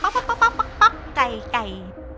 ไก่ไก่